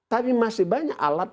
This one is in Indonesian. tapi masih banyak alat